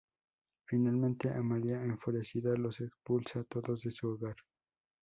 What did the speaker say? Finalmente, Amalia, enfurecida, los expulsa a todos de su hogar.